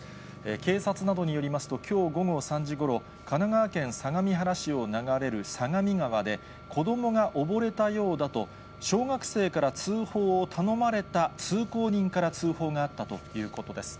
警察などによりますと、きょう午後３時ごろ、神奈川県相模原市を流れる相模川で、子どもが溺れたようだと、小学生から通報を頼まれた通行人から通報があったということです。